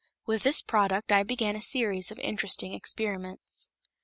With this product I began a series of interesting experiments.